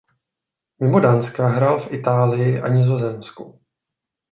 Mimo Dánska hrál v Itálii a Nizozemsku.